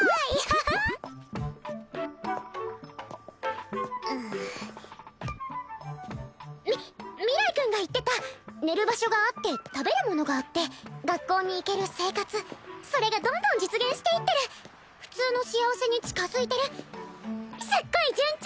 アハハミ明日君が言ってた寝る場所があって食べるものがあって学校に行ける生活それがどんどん実現していってる普通の幸せに近づいてるすっごい順調？